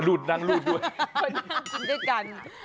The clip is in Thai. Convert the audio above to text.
หลูดนางหลูดด้วย